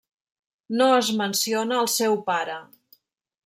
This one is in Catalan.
No es menciona al seu pare.